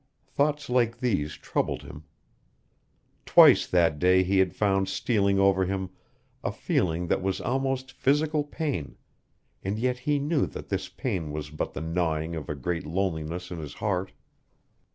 Thoughts like these troubled him. Twice that day he had found stealing over him a feeling that was almost physical pain, and yet he knew that this pain was but the gnawing of a great loneliness in his heart.